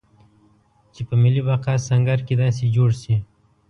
چې په ملي بقا سنګر کې داسې جوړ شي.